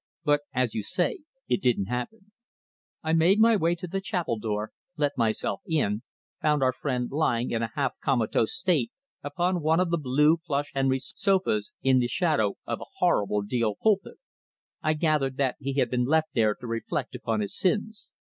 But as you say, it didn't happen. I made my way to the chapel door, let myself in, found our friend lying in a half comatose state upon one of the blue plush Henry sofas, in the shadow of a horrible deal pulpit. I gathered that he had been left there to reflect upon his sins.